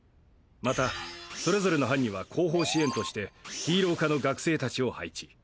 またそれぞれの班には後方支援としてヒーロー科の学生達を配置。